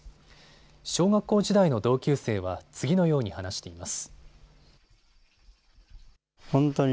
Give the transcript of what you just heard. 小学校時代の同級生は次のように話しています。